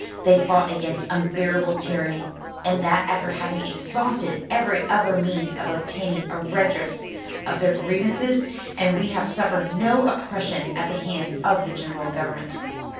"They fought against unbearable tyranny; and that after having exhausted every other means of obtaining a redress of their grievances; and we had suffered no oppression at the hands of the general government."